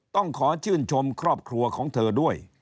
ต้องขอชื่นชมครอบครัวของเธอด้วย